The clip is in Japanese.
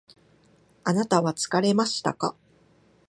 あなたは疲れましたか？